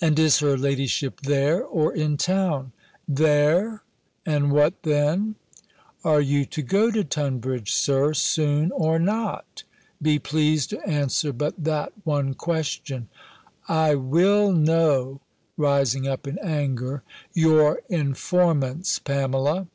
"And is her ladyship there, or in town?" "There and what then?" "Are you to go to Tunbridge, Sir, soon, or not? Be pleased to answer but that one question." "I will know," rising up in anger, "your informants, Pamela."